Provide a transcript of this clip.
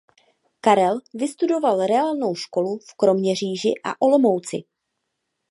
Karel vystudoval reálnou školu v Kroměříži a Olomouci.